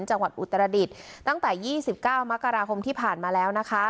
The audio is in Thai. จังหวัดอุตรดิตตั้งแต่ยี่สิบเก้ามกราคมที่ผ่านมาแล้วนะคะ